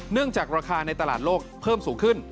จากราคาในตลาดโลกเพิ่มสูงขึ้น